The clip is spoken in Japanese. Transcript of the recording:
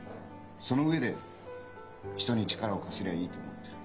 その上で人に力を貸せりゃいいと思ってる。